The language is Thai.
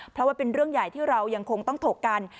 เพราะว่าเป็นเรื่องใหญ่ที่เรายังคงต้องถกกัน